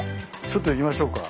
ちょっと行きましょうか。